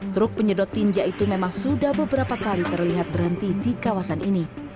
truk penyedot tinja itu memang sudah beberapa kali terlihat berhenti di kawasan ini